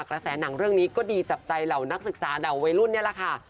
กระแสหนังเรื่องนี้ก็ดีจับใจเหล่านักศึกษาเหล่าวัยรุ่นนี่แหละค่ะ